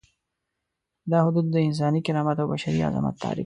دا حدود د انساني کرامت او بشري عظمت تعریف لري.